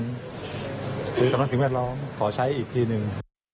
คือสำนักสิ่งแวดล้อมขอใช้อีกทีหนึ่ง